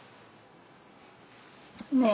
ねえ？